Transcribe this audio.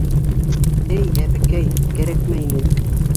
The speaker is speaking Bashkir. — Эй, әбекәй, кәрәкмәй ине.